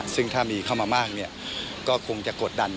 ซึ่งถ้ามีเข้ามามากก็คงจะกดดัน